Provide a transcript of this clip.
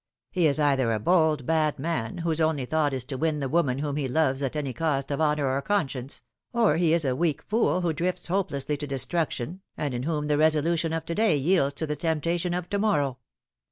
He is either a bold, bad man, whose only thought is to win the woman whom he loves at any cost, of honour or conscience ; or he is a weak fool, who drifts hope lessly to destruction, and in whom the resolution of to day yields to the temptation of to morrow.